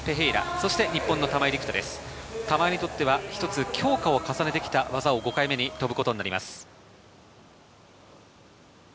玉井にとっては一つ強化を重ねてきた技を５回目に飛ぶことになります。